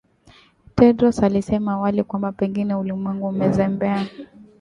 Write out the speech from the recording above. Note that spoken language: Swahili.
Tedros alisema awali kwamba pengine ulimwengu umezembea